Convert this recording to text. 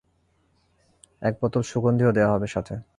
এক বোতল সুগন্ধীও দেওয়া হবে সাথে।